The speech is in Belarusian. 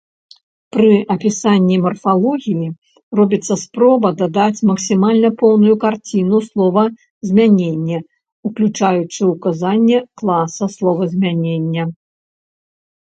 Пры апісанні марфалогіі робіцца спроба даць максімальна поўную карціну словазмянення, уключаючы ўказанне класа словазмянення.